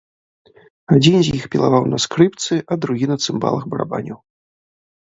Адзін з іх пілаваў на скрыпцы, а другі на цымбалах барабаніў.